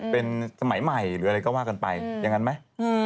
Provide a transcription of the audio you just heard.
เป็นสมัยใหม่หรืออะไรก็ว่ากันไปอย่างนั้นไหม